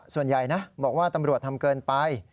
ส่วนใหญ่นะบอกว่าตำรวจทำเกินไป